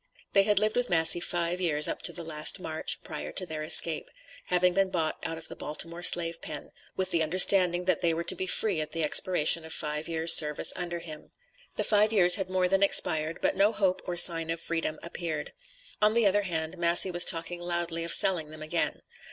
They had lived with Massey five years up to the last March prior to their escape, having been bought out of the Baltimore slave pen, with the understanding that they were to be free at the expiration of five years' service under him. The five years had more than expired, but no hope or sign of freedom appeared. On the other hand, Massey was talking loudly of selling them again.